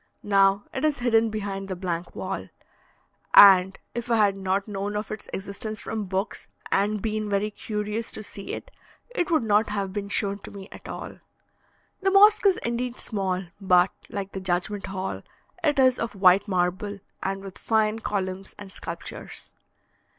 Now it is hidden behind the blank wall; and if I had not known of its existence from books, and been very curious to see it, it would not have been shown to me at all. The mosque is indeed small, but, like the judgment hall, it is of white marble, and with fine columns and sculptures.